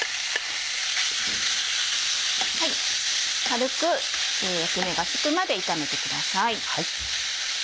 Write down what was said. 軽く焼き目がつくまで炒めてください。